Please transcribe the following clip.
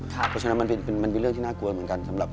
เพราะฉะนั้นมันเป็นเรื่องที่น่ากลัวเหมือนกันสำหรับ